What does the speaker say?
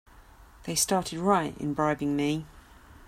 They started right in bribing me!